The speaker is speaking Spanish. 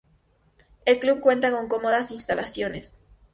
El club cuenta con cómodas instalaciones.